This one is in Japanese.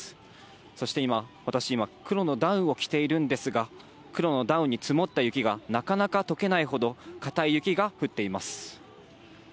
そして今、私、黒のダウンを着ているんですが、黒のダウンに積もった雪がなかなか溶けないほど固い雪が降っています。